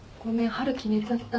春樹寝ちゃった。